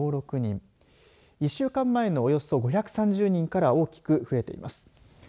１週間前の、およそ５３０人から大きく増えています。